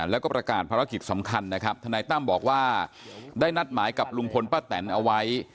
แล้วก็ประกาศภารกิจสำคัญนะครับทนายตั้มบอกว่าได้นัดหมายกับลุงพลป้าแตนเอาไว้